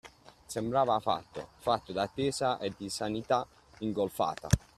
Sembrava fatto: fatto d’attesa e di sanità ingolfata.